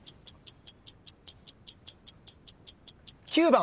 ９番。